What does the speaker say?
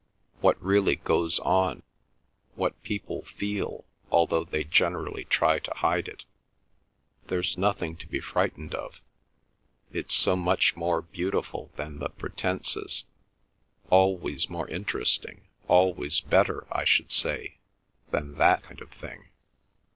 What really goes on, what people feel, although they generally try to hide it? There's nothing to be frightened of. It's so much more beautiful than the pretences—always more interesting—always better, I should say, than that kind of thing."